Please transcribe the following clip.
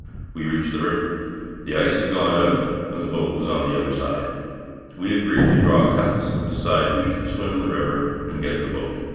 We reached the river. The ice had gone out, and the boat was on the other side. We agreed to draw cuts and decide who should swim the river and get the boat.